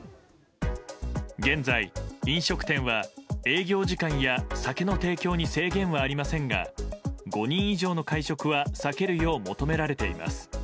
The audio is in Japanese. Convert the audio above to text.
現在、飲食店は営業時間や酒の提供に制限はありませんが５人以上の会食は避けるよう求められています。